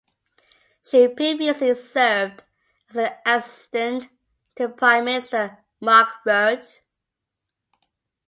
She previously served as an assistant to Prime Minister Mark Rutte.